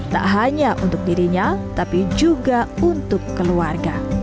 tak hanya untuk dirinya tapi juga untuk keluarga